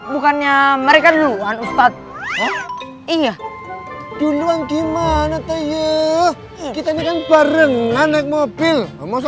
bukannya mereka duluan ustadz iya duluan gimana teh kita ini kan barengan naik mobil